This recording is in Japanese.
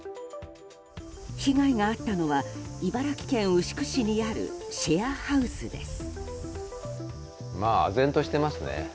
被害あったのは茨城県牛久市にあるシェアハウスです。